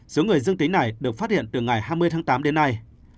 số người dương tính này được phát hiện từ ngày hai mươi tháng tám đến nay